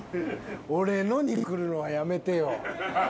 俺のにくるのはやめてよ。